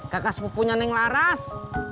kakak sepupunya neng laras